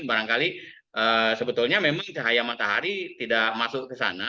barangkali sebetulnya memang cahaya matahari tidak masuk ke sana